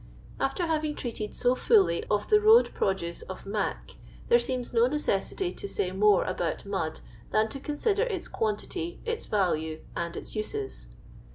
After having treated so fully of the road pro duce of "mac," there seems no necessity to say more about mud than to consider its quantity, its value, and its uses.